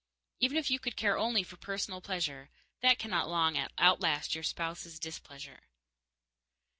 Even if you could care only for personal pleasure, that cannot long outlast your spouse's displeasure.